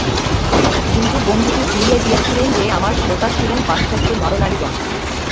কিন্তু বন্ধুটি ভুলিয়া গিয়াছিলেন যে, আমার শ্রোতা ছিলেন পাশ্চাত্য নরনারীগণ।